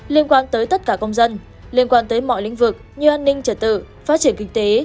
liên quan tới tất cả công dân liên quan tới mọi lĩnh vực như an ninh trật tự phát triển kinh tế